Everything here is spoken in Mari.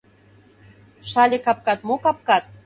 Шале капкат - мо капкат? -